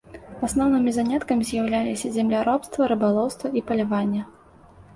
Асноўнымі заняткамі з'яўляліся земляробства, рыбалоўства і паляванне.